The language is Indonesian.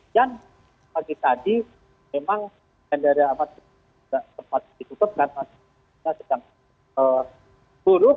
nah bagi tadi memang bandara amat tidak sempat ditutup karena bandara sedang buruk